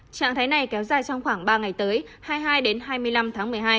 trạng thái này kéo dài trong khoảng ba ngày tới hai mươi hai đến hai mươi năm tháng một mươi hai